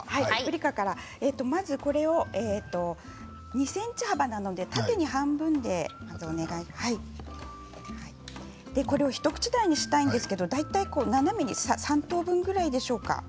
２ｃｍ幅なので、縦に半分でこれを一口大にしたいんですけれど斜めに３等分くらいでしょうか。